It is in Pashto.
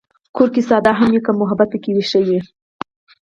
کور که ساده هم وي، که محبت پکې وي، ښه دی.